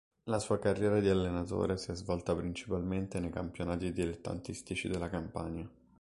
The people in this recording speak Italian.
La sua carriera di allenatore si è svolta principalmente nei campionati dilettantistici della Campania.